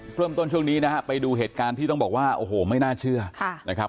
ช่วงนี้นะฮะไปดูเหตุการณ์ที่ต้องบอกว่าโอ้โหไม่น่าเชื่อนะครับ